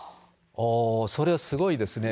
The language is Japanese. あー、それはすごいですね。